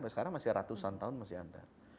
sekarang masih ratusan tahun masih ada